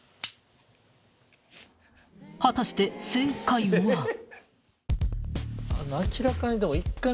［果たして正解は］